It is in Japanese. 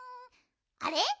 あれ？